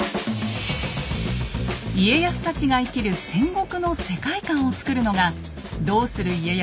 家康たちが生きる戦国の世界観を作るのが「どうする家康」